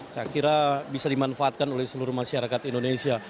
saya kira bisa dimanfaatkan oleh seluruh masyarakat indonesia